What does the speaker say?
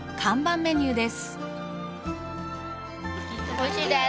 おいしいです。